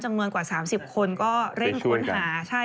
จำนวนนกว่า๓๐คนก็เร่งค้นหา